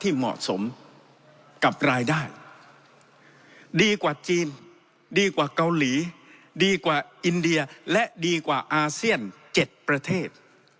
เหมาะสมกับรายได้ดีกว่าจีนดีกว่าเกาหลีดีกว่าอินเดียและดีกว่าอาเซียน๗ประเทศ